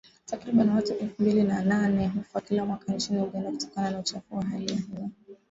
Takriban watu elfu mbili na nane hufa kila mwaka nchini Uganda kutokana na uchafuzi wa hali ya hewa.